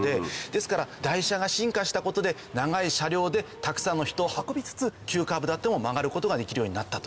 ですから台車が進化したことで長い車両でたくさんの人を運びつつ急カーブであっても曲がることができるようになったと。